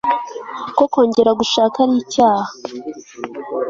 ko kongera gushaka ari icyaha